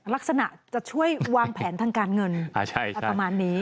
ลักษณะจะช่วยวางแผนทางการเงินประมาณนี้